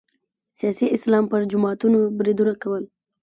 سیاسي اسلام پر جماعتونو بریدونه کول